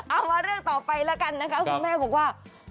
เออเอามาเลือกต่อไปแล้วกันนะคุณแม่บอกว่า